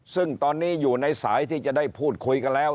ซึ่งตอนนี้อยู่ในสายที่จะได้พูดคุยกันแล้ว